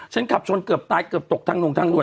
ฉันขับชนเกือบตายเกือบตกทั้งหนุ่มทั้งหน่วน